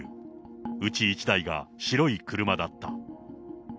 うち１台が白い車だった。